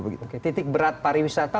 oke titik berat pariwisata